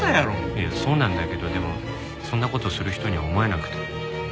いやそうなんだけどでもそんな事をする人には思えなくて。